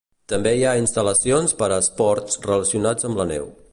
També hi ha instal·lacions per a esports relacionats amb la neu.